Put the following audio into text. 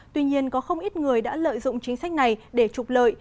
tuy nhiên có không ít người đã lợi dụng chính sách này để trục lợi